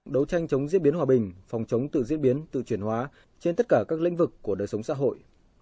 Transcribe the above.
đấu tranh chống diễn biến hòa bình phòng chống tự diễn biến tự chuyển hóa trên tất cả các lĩnh vực của đời sống xã hội